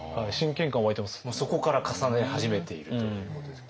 そこから重ね始めているということですね。